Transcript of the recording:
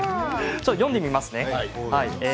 読んでみますね。